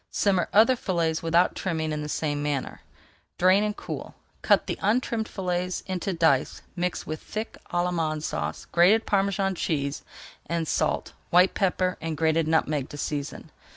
Simmer other fillets without trimming in the same manner. Drain and cool. Cut the untrimmed fillets into dice, mix with thick Allemande Sauce, grated Parmesan cheese, and salt, white pepper, and grated nutmeg to season.